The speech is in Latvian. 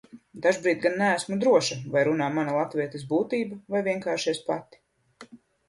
Dažbrīd gan neesmu droša, vai runā mana latvietes būtība vai vienkārši es pati.